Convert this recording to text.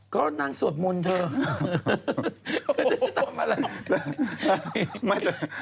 ก็นั่งสวดมุนเถอะ